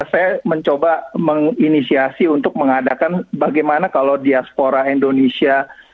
saya mencoba menginisiasi untuk mengadakan bagaimana kalau diaspora indonesia